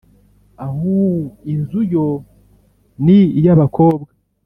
… Ahuuu!. .. Inzu yo ni iy’abakobwa.”